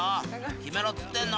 決めろつってんの。